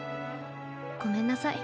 ごめんなさい。